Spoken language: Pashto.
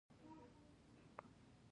ایا زه باید په تیاره کې کینم؟